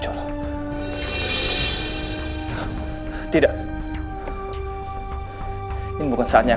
kita akan beri pelajaran dia